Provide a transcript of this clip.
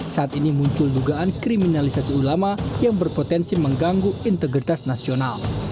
saat ini muncul dugaan kriminalisasi ulama yang berpotensi mengganggu integritas nasional